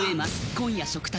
今夜食卓で。